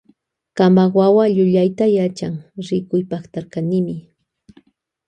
Kanpa wawa llullayta yachan rikuypaktarkanimi.